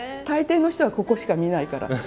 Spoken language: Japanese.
大抵の人はここしか見ないから。